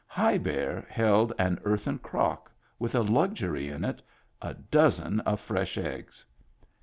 High Bear held an earthen crock with a luxury in it — a dozen of fresh eggs.